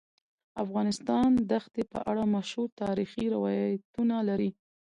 افغانستان د ښتې په اړه مشهور تاریخی روایتونه لري.